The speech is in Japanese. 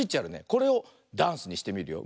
これをダンスにしてみるよ。